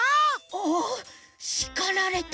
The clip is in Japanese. ああしかられた。